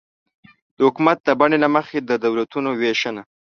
د حکومت د بڼې له مخې د دولتونو وېشنه